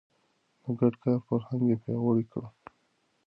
د ګډ کار فرهنګ يې پياوړی کړ.